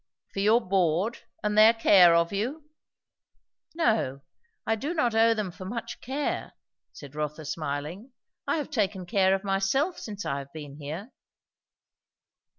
"For your board, and their care of you?" "No. I do not owe them for much care," said Rotha smiling. "I have taken care of myself since I have been here."